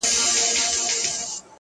چي سمسور افغانستان لیدلای نه سي,